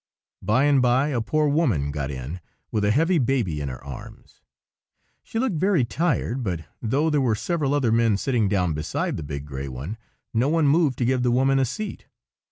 By and by a poor woman got in, with a heavy baby in her arms. She looked very tired, but though there were several other men sitting down beside the big gray one, no one moved to give the woman a seat.